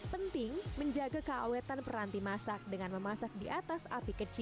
penting menjaga keawetan peranti masak dengan memasak di atas api kecil